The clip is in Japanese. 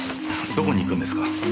どこに行くんですか？